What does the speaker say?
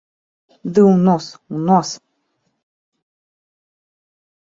Ды ў нос, у нос!